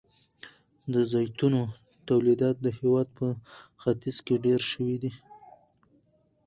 د زیتونو تولیدات د هیواد په ختیځ کې ډیر شوي دي.